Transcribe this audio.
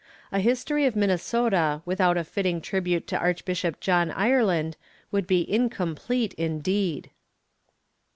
A history of Minnesota without a fitting tribute to Archbishop John Ireland would be incomplete indeed.